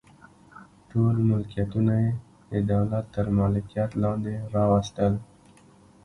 ټول ملکیتونه یې د دولت تر مالکیت لاندې راوستل.